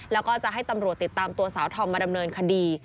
แล้วก็จะให้ตำรวจติดตามตัวสาวธอมมาดำเนินคดี